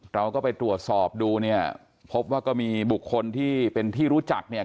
เราก็ไปตรวจสอบดูเนี่ยพบว่าก็มีบุคคลที่เป็นที่รู้จักเนี่ย